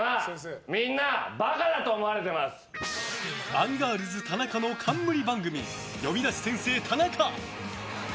アンガールズ田中の冠番組「呼び出し先生タナカ」。